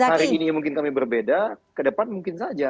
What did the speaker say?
hari ini mungkin kami berbeda ke depan mungkin saja